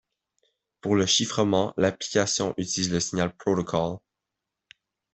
Pour le chiffrement, l'application utilise le Signal Protocol.